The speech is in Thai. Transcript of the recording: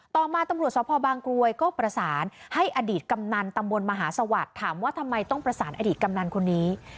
ต่อมาตำรวจสภบางกรวยก็ประสานให้อดีตกำนันตำบลมหาสวัสดิ์ถามว่าทำไมต้องประสานอดีตกำนันคนนี้